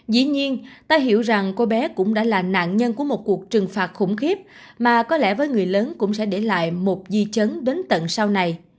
dĩ nhiên ta hiểu rằng cô bé cũng đã là nạn nhân của một cuộc trừng phạt khủng khiếp mà có lẽ với người lớn cũng sẽ để lại một di chấn đến tận sau này